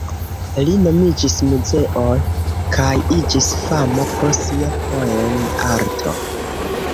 Li nomiĝis Muzeo, kaj iĝis fama pro sia poem-arto.